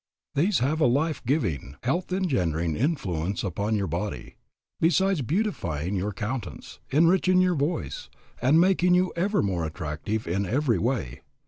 These have a life giving, health engendering influence upon your body, besides beautifying your countenance, enriching your voice, and making you ever more attractive in every way.